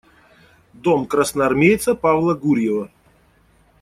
Дом красноармейца Павла Гурьева.